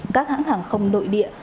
các hãng hàng không nội địa